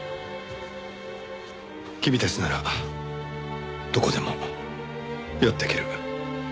君たちならどこでもやっていける。